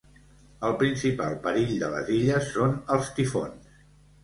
El principal perill de les illes són els tifons.